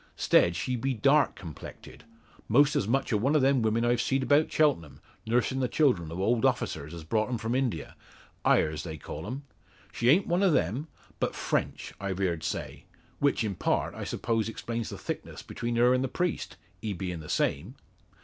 'Stead, she be dark complected; most as much as one o' them women I've seed 'bout Cheltenham, nursin' the children o' old officers as brought 'em from India ayers they call 'em. She a'nt one o' 'em, but French, I've heerd say; which in part, I suppose explains the thickness 'tween her an' the priest he bein' the same."